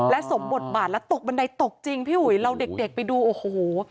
สมบทบาทแล้วตกบันไดตกจริงพี่อุ๋ยเราเด็กไปดูโอ้โห